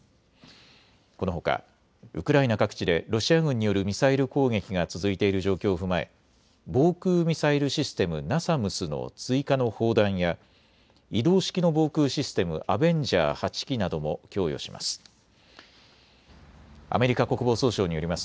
このほかウクライナ各地でロシア軍によるミサイル攻撃が続いている状況を踏まえ防空ミサイルシステム、ナサムスの追加の砲弾や移動式の防空システム、アベンジャー８基なども供与します。